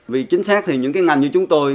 vì chính xác thì những cái ngành như chúng tôi